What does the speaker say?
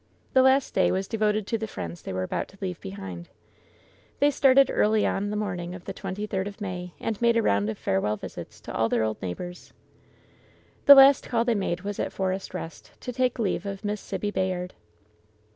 The last day was devoted to the friends they were about to leave behind. They started early on the morning of the twenty third of May, and made a roimd of farewell visits to all their old neighbors. The last call they made was at Forest Eest, to take leave of Miss Sibby Bayard.